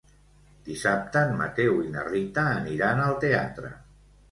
Dissabte en Mateu i na Rita aniran al teatre.